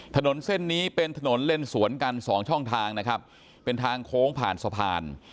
ถนนเส้นนี้เป็นถนนเล่นสวนกันสองช่องทางนะครับเป็นทางโค้งผ่านสะพาน